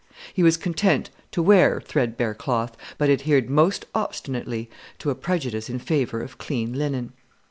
He was content to wear threadbare cloth, but adhered most obstinately to a prejudice in favour of clean linen.